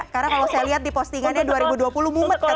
karena kalau saya lihat di postingannya dua ribu dua puluh mumet katanya